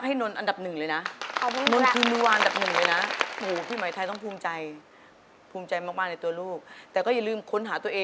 ฮักอายชอบมาจนแย่ส่อยให้เป็นรักแท้สู่เรา